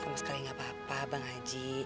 sama sekali gak apa apa bang haji